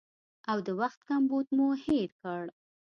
او د وخت کمبود مو هېر کړ